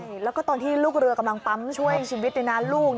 ใช่แล้วก็ตอนที่ลูกเรือกำลังปั๊มช่วยชีวิตลูก